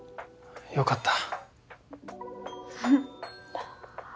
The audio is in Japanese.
よかった。